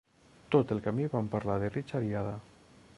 Tot el camí vam parlar de Richard i Ada.